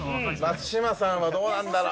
松島さんはどうなんだろう